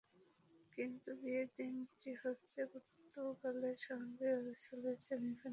কিন্তু বিয়ের দিনটা হচ্ছে পর্তুগালের সঙ্গে ওয়েলসের সেমিফাইনালের ঠিক পরের দিন।